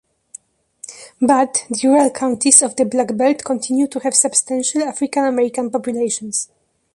But, the rural counties of the Black Belt continue to have substantial African-American populations.